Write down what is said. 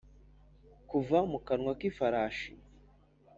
kuva mu kanwa k'ifarashi.